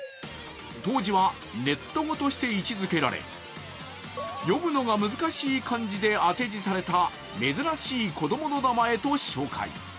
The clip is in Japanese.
当時はネット語として位置づけられ読むのが難しい漢字で当て字された珍しい子供の名前と紹介。